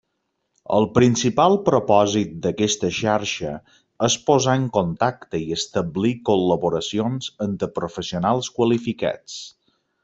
El principal propòsit d'aquesta xarxa és posar en contacte i establir col·laboracions entre professionals qualificats.